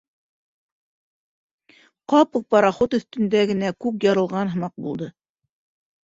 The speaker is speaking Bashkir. Ҡапыл пароход өҫтөндә генә күк ярылған һымаҡ булды.